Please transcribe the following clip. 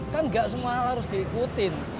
kan gak semua harus diikutin